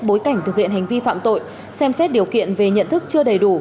bối cảnh thực hiện hành vi phạm tội xem xét điều kiện về nhận thức chưa đầy đủ